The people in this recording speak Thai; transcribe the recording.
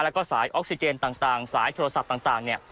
แล้วก็สายออกซิเจนต่างสายโทรศัพท์ต่างเนี่ย